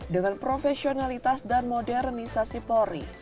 dengan profesionalitas dan modernisasi polri